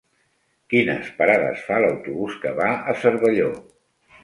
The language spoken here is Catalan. Quines parades fa l'autobús que va a Cervelló?